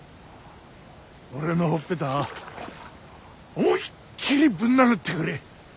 俺のほっぺた思いっきりぶん殴ってくれ。